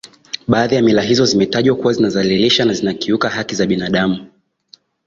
Baadhi ya mila hizo zimetajwa kuwa zinadhalilishi na zinakiuka haki za binadamu